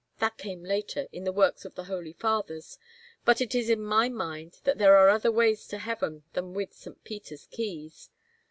That came later, in the works of the Holy Fathers, but it is in my mind that there are other ways to heaven than with Saint Peter's keys.